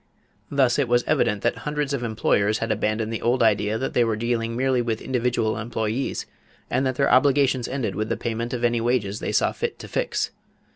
Thus it was evident that hundreds of employers had abandoned the old idea that they were dealing merely with individual employees and that their obligations ended with the payment of any wages they saw fit to fix.